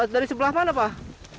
dari sebelah mana pak